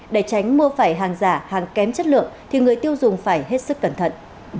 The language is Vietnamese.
để tránh mua phải hàng giả hàng kém chất lượng thì người tiêu dùng phải hết sức cẩn thận